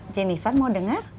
jenifan mau dengar